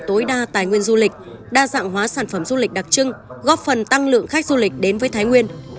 tối đa tài nguyên du lịch đa dạng hóa sản phẩm du lịch đặc trưng góp phần tăng lượng khách du lịch đến với thái nguyên